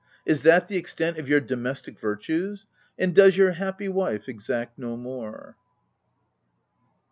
Is that the extent of your domestic virtues ; and does your happy wife exact no more